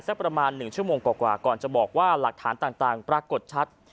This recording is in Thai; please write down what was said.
สักประมาณหนึ่งชั่วโมงกว่ากว่าก่อนจะบอกว่าหลักฐานต่างต่างปรากฏชัด